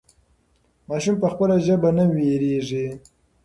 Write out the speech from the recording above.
ماشوم په خپله ژبه نه وېرېږي.